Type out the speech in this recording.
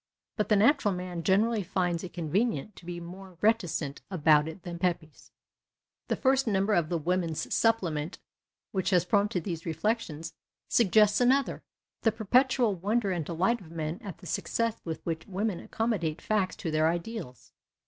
But the natural man generally finds it convenient to Ije more reticent about it than Pepys. 277 PASTICHE AND PREJUDICE The first number of the Woman's Supplement, which has prompted these reflections, suggests another : the perpetual wonder and delight of men at the success with which women accommodate facts to their ideals.